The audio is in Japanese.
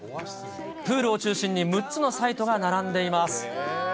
プールを中心に６つのサイトが並んでいます。